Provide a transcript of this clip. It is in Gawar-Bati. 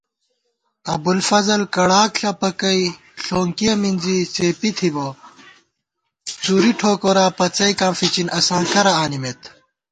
ابُوالفضل کڑاک ݪپَکَئ ݪونکِیَہ مِنزی څېپی تھِبہ * څُری ٹھوکورا پڅَئیکاں فِچِن اساں کرہ آنِمېت